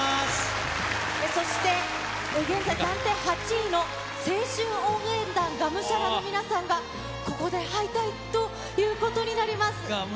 そして現在、暫定８位の青春応援団我無沙羅の皆さんが、ここで敗退ということになります。